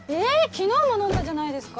昨日も飲んだじゃないですか。